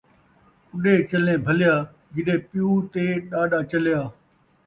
اُݙے چلیں بھلیا، جݙے پیو تے ݙاݙا چلیا